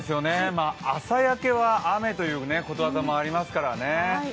朝焼けは雨ということわざもありますからね。